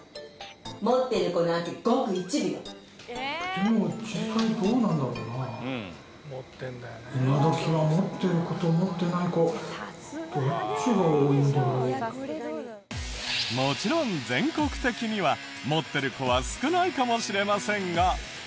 でも実際どうなんだろうな？もちろん全国的には持ってる子は少ないかもしれませんが。